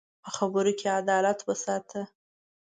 په خبرو کې عدالت وساته